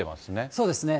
そうですね。